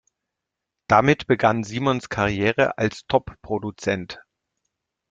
Damit begann Simons Karriere als Top-Produzent.